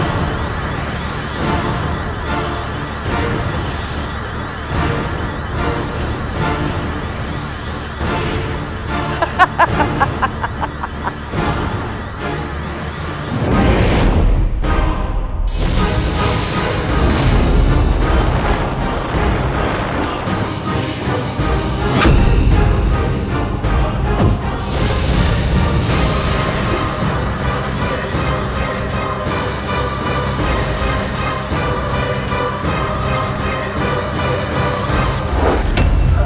jangan berluar batu